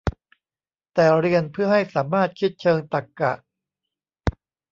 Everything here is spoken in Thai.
แต่เรียนเพื่อให้สามารถคิดเชิงตรรกะ